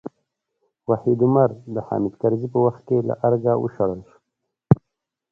وحید عمر د حامد کرزي په وخت کې له ارګه وشړل شو.